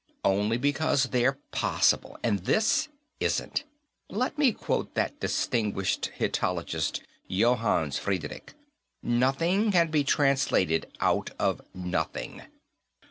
Only because they're possible, and this isn't. Let me quote that distinguished Hittitologist, Johannes Friedrich: 'Nothing can be translated out of nothing.'